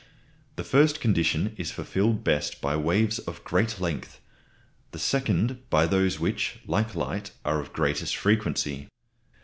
The first condition is fulfilled best by waves of great length; the second by those which, like light, are of greatest frequency.